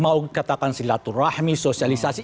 mau katakan silaturahmi sosialisasi